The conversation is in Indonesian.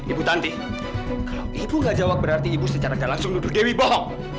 ibu tanti kalau ibu nggak jawab berarti ibu secara gak langsung duduk dewi bohong